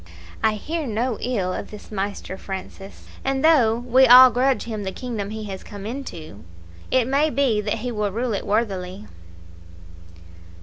I hear no ill of this Maister Francis; and though we all grudge him the kingdom he has come into, it may be that he will rule it worthily."